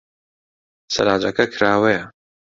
سەلاجەکە کراوەیە.